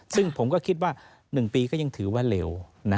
ซึ่งผมก็คิดว่า๑ปีก็ยังถือว่าเร็ว